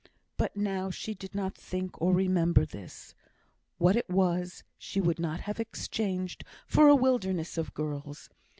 But now she did not think or remember this. What it was, she would not have exchanged for a wilderness of girls.